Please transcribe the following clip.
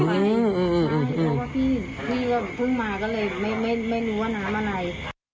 เพราะพี่ผึ่งมาก็เลยไม่รู้ว่าน้ำอะไร